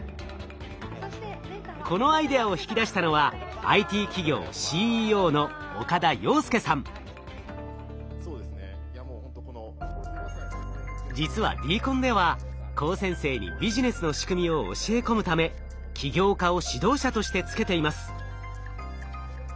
このアイデアを引き出したのはＩＴ企業ＣＥＯの実はＤＣＯＮでは高専生にビジネスの仕組みを教え込むため起業家を指導者としてつけています。